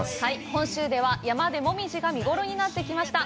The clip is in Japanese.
本州では山で紅葉が見ごろになってきました。